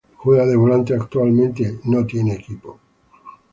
Juega de volante, actualmente no tiene equipo.